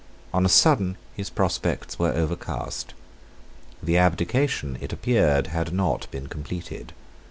On a sudden his prospects were overcast. The abdication, it appeared, had not been completed.